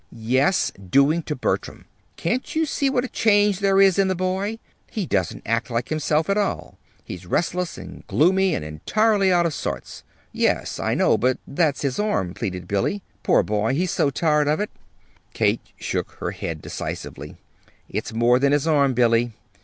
"Yes, doing to Bertram. Can't you see what a change there is in the boy? He doesn't act like himself at all. He's restless and gloomy and entirely out of sorts." "Yes, I know; but that's his arm," pleaded Billy. "Poor boy he's so tired of it!" Kate shook her head decisively. "It's more than his arm, Billy.